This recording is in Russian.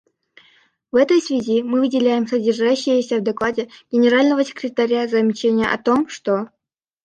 В этой связи мы выделяем содержащееся в докладе Генерального секретаря замечание о том, что.